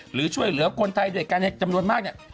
หรือช่วยเหลือคนไทยด้วยกันจำนวนมากเนี่ย